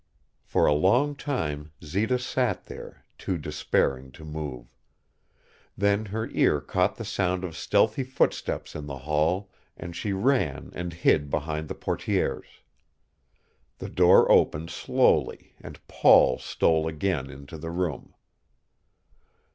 For a long time Zita sat there, too despairing to move. Then her ear caught the sound of stealthy footsteps in the hall, and she ran and hid behind the portières. The door opened slowly and Paul stole again into the room.